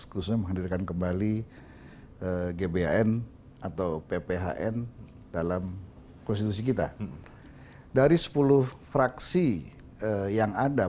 khususnya menghadirkan kembali gbhn atau pphn dalam konstitusi kita dari sepuluh fraksi yang ada